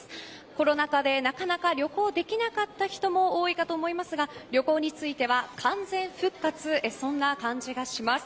コロナ禍でなかなか旅行できなかった人も多いかと思いますが旅行については完全復活、そんな感じがします。